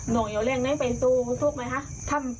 น้องจะยอดเร็งไหนไปสู้ถูกไหมคะ